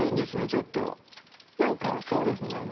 ちょっとなんかそうですね